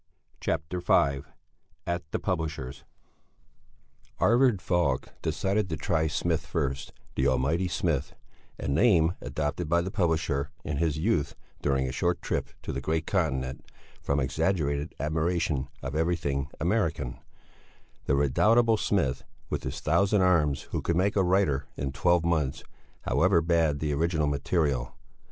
CHAPTER V AT THE PUBLISHER'S Arvid Falk decided to try Smith first, the almighty Smith a name adopted by the publisher in his youth during a short trip to the great continent, from exaggerated admiration of everything American the redoubtable Smith with his thousand arms who could make a writer in twelve months, however bad the original material.